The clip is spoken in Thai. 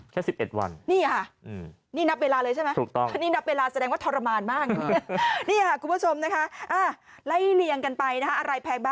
แค่๑๑วันนี่ค่ะนี่นับเวลาเลยใช่ไหม